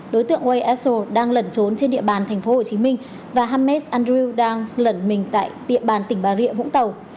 đối tượng wade essel đang lẩn trốn trên địa bàn tp hcm và hamed andrew đang lẩn mình tại địa bàn tỉnh bà rịa vũng tàu